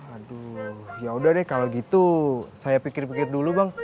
aduh yaudah deh kalau gitu saya pikir pikir dulu bang